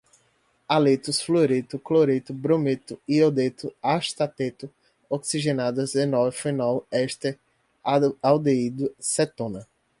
haletos, fluoreto, cloreto, brometo, iodeto, astateto, oxigenadas, enol, fenol, éster, aldeído, cetona